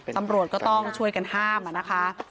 ตำรวจก็ต้องช่วยกันห้ามนะคะ